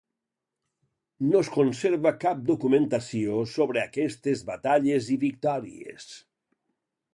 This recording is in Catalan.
No es conserva cap documentació sobre aquestes batalles i victòries.